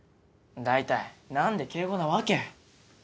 大体何で敬語なわけ？